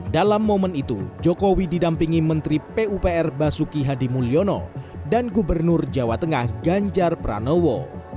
dalam momen itu jokowi didampingi menteri pupr basuki hadimulyono dan gubernur jawa tengah ganjar pranowo